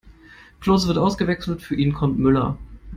Klose wird ausgewechselt, für ihn kommt Müller.